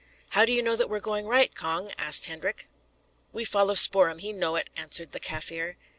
"How do you know that we are going right, Cong?" asked Hendrik. "We follow Spoor'em; he know it," answered the Kaffir.